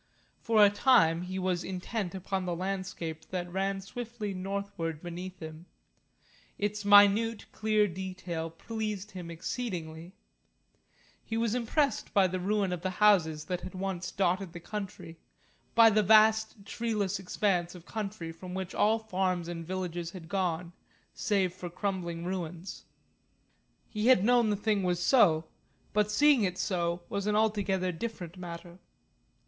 For a time he was intent upon the landscape that ran swiftly northward beneath him. Its minute, clear detail pleased him exceedingly. He was impressed by the ruin of the houses that had once dotted the country, by the vast treeless expanse of country from which all farms and villages had gone, save for crumbling ruins. He had known the thing was so, but seeing it so was an altogether different matter.